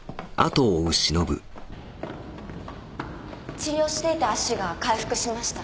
治療していた足が回復しました。